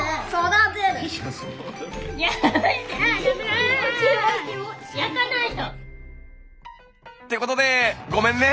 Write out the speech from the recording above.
あぁ焼かないと！っていうことでごめんね！